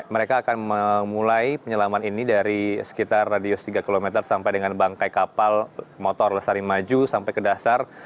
mereka akan memulai penyelaman ini dari sekitar radius tiga km sampai dengan bangkai kapal motor lesari maju sampai ke dasar